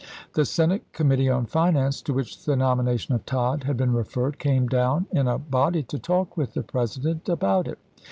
The Senate Committee on Finance, to which the nomi nation of Tod had been referred, came down in a body to talk with the President about it.